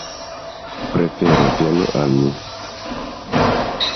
Prefere venu al mi.